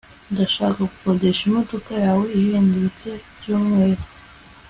ndashaka gukodesha imodoka yawe ihendutse icyumweru